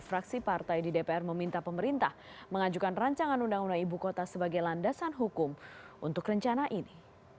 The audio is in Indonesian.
fraksi partai di dpr meminta pemerintah mengajukan rancangan undang undang ibu kota sebagai landasan hukum untuk rencana ini